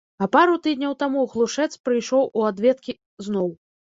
А пару тыдняў таму глушэц прыйшоў у адведкі зноў.